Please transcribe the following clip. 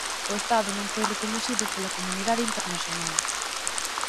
O Estado non foi recoñecido pola comunidade internacional.